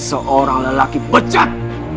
seorang lelaki becat